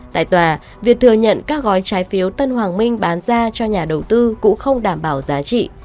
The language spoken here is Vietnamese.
tại tòa việc thừa nhận các gói trái phiếu tân hoàng minh bán ra cho nhà đầu tư cũng không đảm bảo giá trị